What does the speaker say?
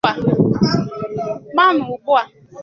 mana ugbua